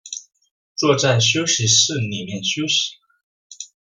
坐在休息室里面休息